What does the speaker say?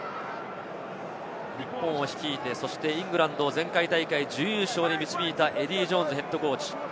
日本を率いて、イングランドを前回大会準優勝に導いたエディー・ジョーンズＨＣ。